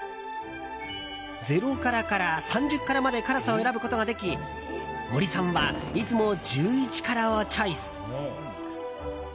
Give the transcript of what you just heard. ０辛から３０辛まで辛さを選ぶことができ森さんはいつも１１辛をチョイス。